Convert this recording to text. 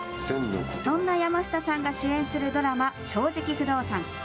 そんな山下さんが主演するドラマ、正直不動産。